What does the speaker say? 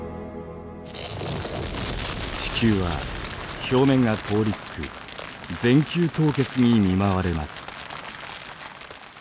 地球は表面が凍りつく全球凍結に見舞われます。